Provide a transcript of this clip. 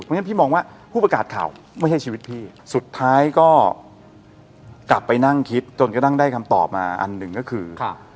เพราะฉะนั้นพี่มองว่าผู้ประกาศข่าวไม่ใช่ชีวิตพี่สุดท้ายก็กลับไปนั่งคิดจนกระทั่งได้คำตอบมาอันหนึ่งก็คือ